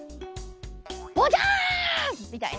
ボジャン！みたいな。